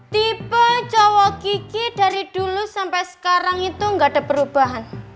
tipe cowok gigi dari dulu sampai sekarang itu nggak ada perubahan